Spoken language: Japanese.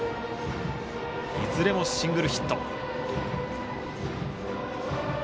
いずれもシングルヒット。